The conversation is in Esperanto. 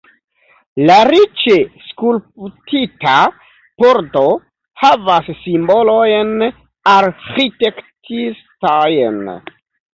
La riĉe skulptita pordo havas simbolojn arĥitektistajn.